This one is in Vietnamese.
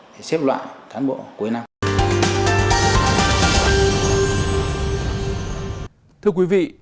để xếp loại cán bộ cuối năm